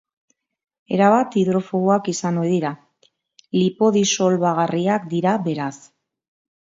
Erabat hidrofoboak izan ohi dira, lipodisolbagarriak dira beraz.